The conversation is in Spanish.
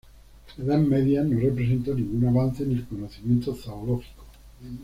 La Edad Media no representó ningún avance en el conocimiento zoológico.